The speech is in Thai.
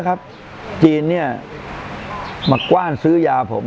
เยอะครับเมียนเมืองจีนมากว้านซื้อยาผม